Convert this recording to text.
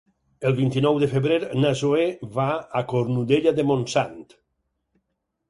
El vint-i-nou de febrer na Zoè va a Cornudella de Montsant.